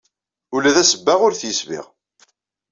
Ula d asbaɣ ur t-yesbiɣ.